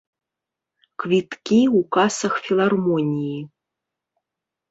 Квіткі ў касах філармоніі.